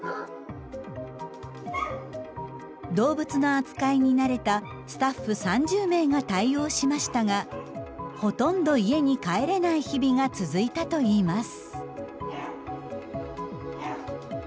動物の扱いに慣れたスタッフ３０名が対応しましたがほとんど家に帰れない日々が続いたといいます。